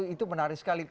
itu menarik sekali